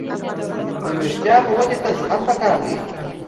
د وېښتیانو ودې ته زغم پکار دی.